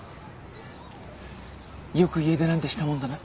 よく家出なんてしたもんだな。